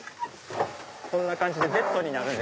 こんな感じでベッドになる。